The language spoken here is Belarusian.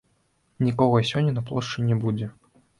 Нікога сёння на плошчы не будзе.